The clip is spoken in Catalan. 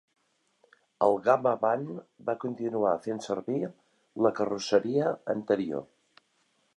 El gama Van va continuar fent servir la carrosseria anterior.